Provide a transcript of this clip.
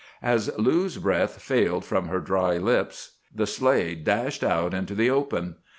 "As Lou's breath failed from her dry lips, the sleigh dashed out into the open.